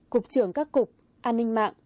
cục trưởng các cục an ninh mạng